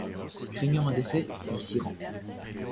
Craignant un décès, il s'y rend.